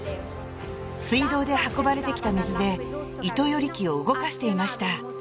水道で運ばれてきた水で糸撚り機を動かしていました